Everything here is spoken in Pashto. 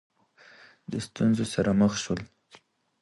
د ستونزو سره مخ شول